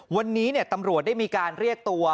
วันนี้ตำรวจได้มีการเรียกตัว